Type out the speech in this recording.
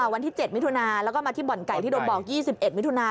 วันที่๗มิถุนาแล้วก็มาที่บ่อนไก่ที่โดนบอก๒๑มิถุนา